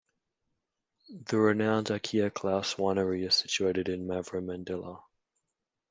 The renowned Achaia Clauss winery is situated in Mavromandila.